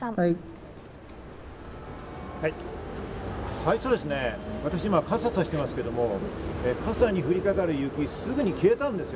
最初ですね、私、傘をさしていますが、傘に降りかかる雪、すぐに消えたんですよ。